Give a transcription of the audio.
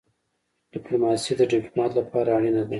ډيپلوماسي د ډيپلومات لپاره اړینه ده.